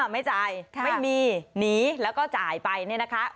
ไม่จ่ายไม่มีหนีแล้วก็จ่ายไปเนี่ยนะคะ